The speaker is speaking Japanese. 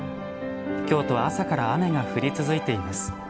京都は朝から雨が降り続いています。